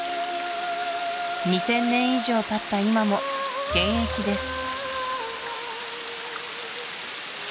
２０００年以上たった今も現役です